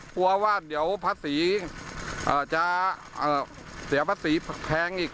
กลัวว่าเดี๋ยวภาษีจะเสียภาษีแพงอีก